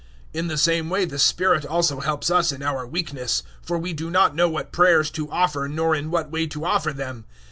008:026 In the same way the Spirit also helps us in our weakness; for we do not know what prayers to offer nor in what way to offer them.